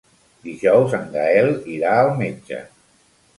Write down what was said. Dijous en Gaël irà al metge.